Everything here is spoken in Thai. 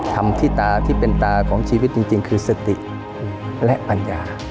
ธรรมที่เป็นตาของชีวิตจริงคือสติและปัญญา